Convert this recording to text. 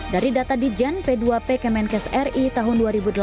dari data di jen p dua p kemenkes ri tahun dua ribu delapan belas